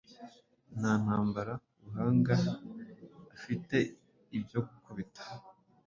Nta ntambara-ubuhanga afiteibyo gukubita